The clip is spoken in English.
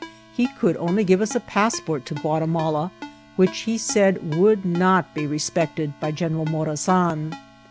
He could only give us a passport to Guatimala, which he said would not be respected by General Morazan.